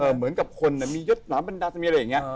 เหมือนกับคนเนี่ยมียดหลังบรรดามีอะไรอย่างเงี้ย